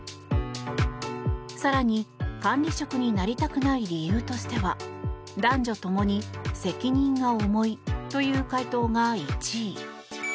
更に、管理職になりたくない理由としては男女ともに責任が重いという回答が１位。